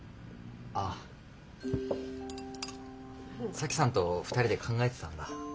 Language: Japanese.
沙樹さんと２人で考えてたんだ。